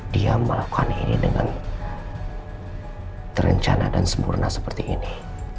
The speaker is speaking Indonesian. dia melakukan ini dengan terencana dan sempurna seperti ini